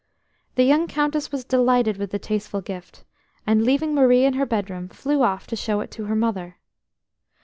The young Countess was delighted with the tasteful gift, and, leaving Marie in her bedroom, flew off to show it to her mother.